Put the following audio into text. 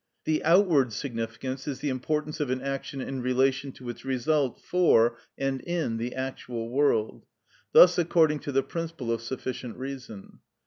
The outward significance is the importance of an action in relation to its result for and in the actual world; thus according to the principle of sufficient reason.